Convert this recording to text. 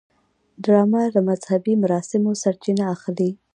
ډرامه له مذهبي مراسمو سرچینه اخلي